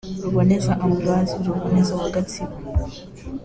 Ruboneza Ambroise Ruboneza wa Gatsibo